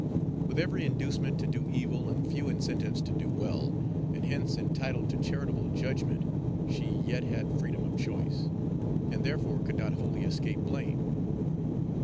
With every inducement to do evil and few incentives to do well, and hence entitled to charitable judgment, she yet had freedom of choice, and therefore could not wholly escape blame.